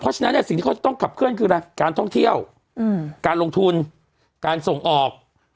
เพราะฉะนั้นเนี่ยสิ่งที่เขาจะต้องขับเคลื่อนคืออะไรการท่องเที่ยวการลงทุนการส่งออก